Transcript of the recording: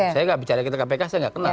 saya gak bicara kita kpk saya gak kenal